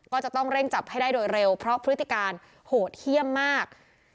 ก็จะต้องเร่งจับให้ได้โดยเร็วเพราะพฤติการโหดเยี่ยมมาก